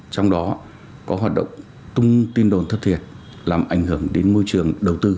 trong đó có hoạt động tung tin đồn thất thiệt làm ảnh hưởng đến môi trường đầu tư